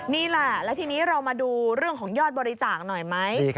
นี่แหละแล้วทีนี้เรามาดูเรื่องของยอดบริจาคหน่อยไหม